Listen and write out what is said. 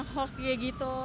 hoax kayak gitu